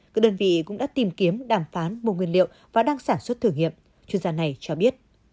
các đơn vị cũng đã tìm kiếm đàm phán mua nguyên liệu và đang sản xuất thử nghiệm chuyên gia này cho biết